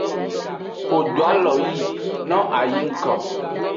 Wo do alo yi no a yi ngko.